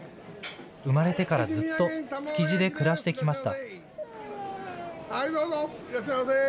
生まれてからずっと築地で暮らしてきました。